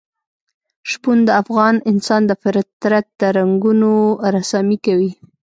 شپون د افغان انسان د فطرت د رنګونو رسامي کوي.